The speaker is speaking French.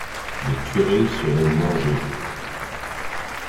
Les curés seront mangés.